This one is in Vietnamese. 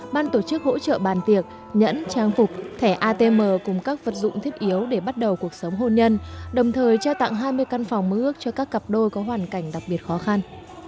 ban tổ chức hỗ trợ bàn tiệc nhẫn trang phục thẻ atm cùng các vật dụng thiết yếu để bắt đầu cuộc sống hôn nhân đồng thời trao tặng hai mươi căn phòng mưu ước cho các cặp đôi có hoàn cảnh đặc biệt khó khăn